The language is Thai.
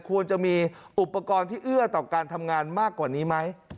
ควรจะมีอุปกรณ์ที่เอื้อต่อการทำงานมากกว่านี้ไหม